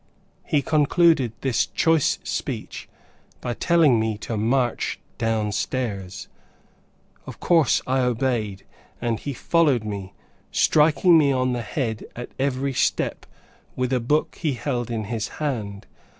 He concluded this choice speech by telling me to "march down stairs." Of course, I obeyed, and he followed me, striking me on the head at every step, with a book he held in his hand.